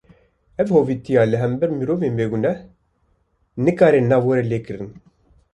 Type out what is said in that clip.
Ev hovîtiya li hember mirovên bêguneh, nikare nav were lê kirin